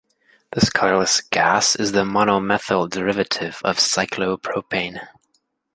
This colorless gas is the monomethyl derivative of cyclopropane.